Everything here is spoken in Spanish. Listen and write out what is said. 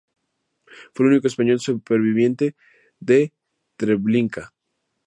Fue el único español superviviente de Treblinka.